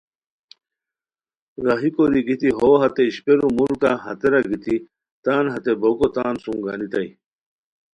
راہی کوری گیتی یو ہتے اشپیرو ملکہ ہتیرا گیتی تان ہتے بوکو تان سوم گانیتائے